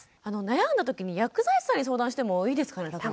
悩んだ時に薬剤師さんに相談してもいいですかね詫間さん。